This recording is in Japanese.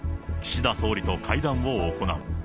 岸田総理と会談を行う。